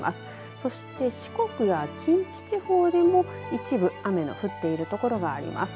そして四国や近畿地方でも一部、雨が降っている所があります。